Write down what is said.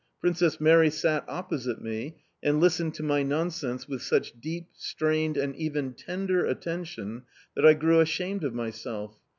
Princess Mary sat opposite me and listened to my nonsense with such deep, strained, and even tender attention that I grew ashamed of myself.